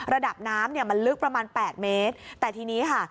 ระดับน้ำเนี่ยมันลึกประมาณแปดเมตรแต่ทีนี้ค่ะ